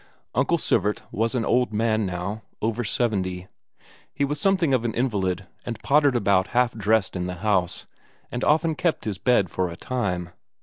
Uncle Sivert was an old man now, over seventy; he was something of an invalid, and pottered about half dressed in the house, and often kept his bed for a time.